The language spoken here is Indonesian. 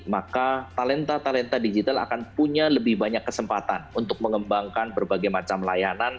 maka talenta talenta digital akan punya lebih banyak kesempatan untuk mengembangkan berbagai macam layanan